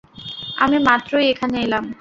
আমি মাত্রই এখানে এলাম।